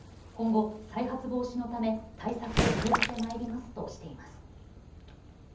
今後、再発防止のため対策を講じてまいりますとしています。